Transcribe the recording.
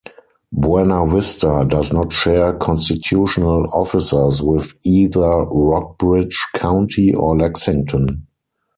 Buena Vista does not share constitutional officers with either Rockbridge County or Lexington.